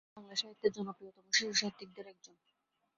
তিনি বাংলা সাহিত্যের জনপ্রিয়তম শিশুসাহিত্যিকদের একজন।